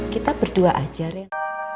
kita berdua aja ren